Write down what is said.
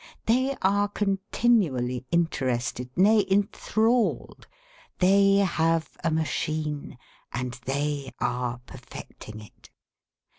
They are continually interested, nay, enthralled. They have a machine, and they are perfecting it.